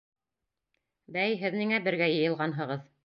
Бәй, һеҙ ниңә бергә йыйылғанһығыҙ?